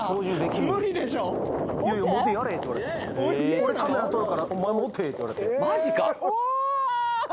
俺カメラ撮るからお前持てって言われたうわー！